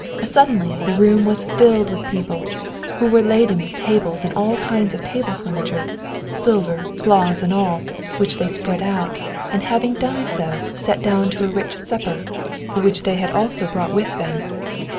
Suddenly the room was filled with people, who were laden with tables and all kinds of table furniture, silver, cloths, and all, which they spread out, and having done so, sat down to a rich supper, which they had also brought with them.